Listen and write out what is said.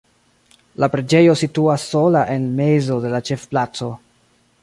La preĝejo situas sola en mezo de la ĉefplaco.